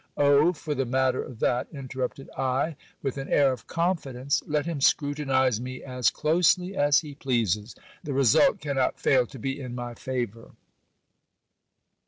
Oh ! for the matter of that, interrupted I with an air of confidence, let him scrutinize me as closely as he pleases, the result cannot fail to be in my favour.